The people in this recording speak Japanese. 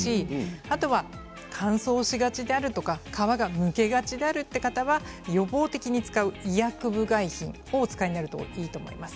あとは乾燥した時であるとか皮がむけがちであるという方は予防的に使う、医薬部外品をお使いになるといいと思います。